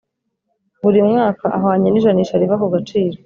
buri mwaka ahwanye n’ijanisha riva ku gaciro